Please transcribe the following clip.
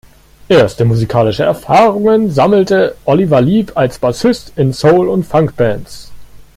Erste musikalische Erfahrungen sammelte Oliver Lieb als Bassist in Soul- und Funk-Bands.